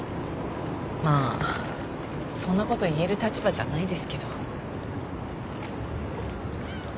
まあそんなこと言える立場じゃないですけど。